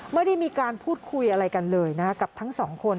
ไม่ได้มีการพูดคุยอะไรกันเลยนะกับทั้งสองคน